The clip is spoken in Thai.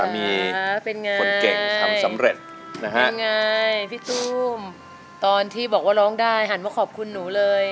พี่ตู้มจะเป็นไรตอนที่บอกว่าร้องได้หันมาขอบคุณหนูเลย